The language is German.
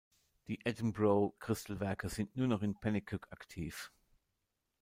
Die Edinburgh Crystal Werke sind noch in Penicuik aktiv.